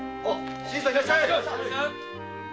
新さんいらっしゃい。